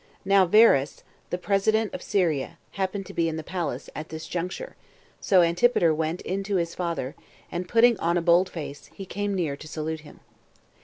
Now Varus, the president of Syria, happened to be in the palace [at this juncture]; so Antipater went in to his father, and, putting on a bold face, he came near to salute him.